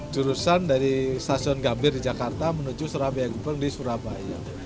jurusan dari stasiun gambir di jakarta menuju surabaya gubeng di surabaya